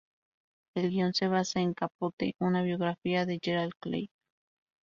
El guion se basa en "Capote, una biografía", de Gerald Clarke.